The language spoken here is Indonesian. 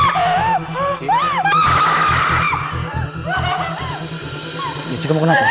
jadi abang abang melakunya